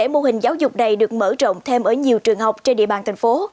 mô hình giáo dục này được mở rộng thêm ở nhiều trường học trên địa bàn thành phố